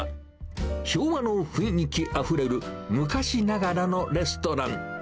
昭和の雰囲気あふれる昔ながらのレストラン。